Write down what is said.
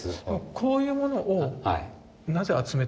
こういうものをなぜ集めてたんですか？